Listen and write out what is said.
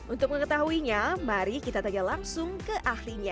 untuk mengetahuinya mari kita tanya langsung ke ahlinya